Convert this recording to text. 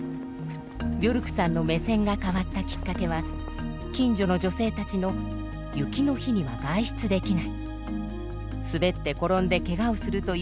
ビョルクさんの目線が変わったきっかけは近所の女性たちのという声を耳にしたことでした。